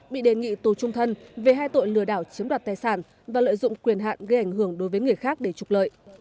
bị đề nghị tù trung thân về hai tội lừa đảo chiếm đoạt tài sản và lợi dụng quyền hạn gây ảnh hưởng đối với người khác để trục lợi